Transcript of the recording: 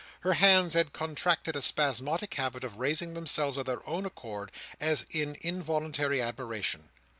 Her hands had contracted a spasmodic habit of raising themselves of their own accord as in involuntary admiration.